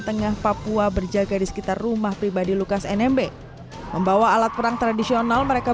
tengah papua berjaga di sekitar rumah pribadi lukas nmb membawa alat perang tradisional mereka